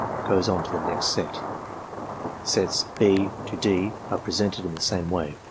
goes on to the next set. Sets (6) to (d) are presented in the same way.